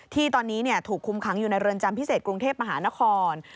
ที่ตอนนี้ถูกคุมขังอยู่ในเรือนจำพิเศษกรุงเทพมหานคร